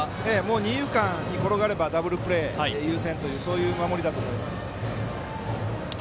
二遊間に転がればダブルプレー優先というそういう守りだと思います。